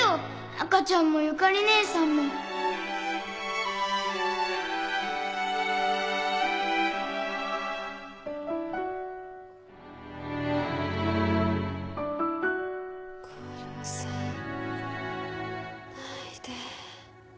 赤ちゃんもゆかりねえさんも殺さないで。